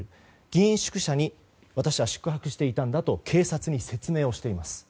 議員宿舎に私は宿泊していたんだと警察に説明しています。